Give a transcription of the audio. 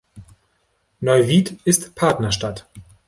Neuwied ist Partnerstadt.